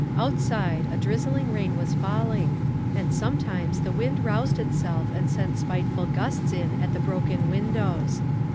Outside, a drizzling rain was falling, and sometimes the wind roused itself and sent spiteful gusts in at the broken windows.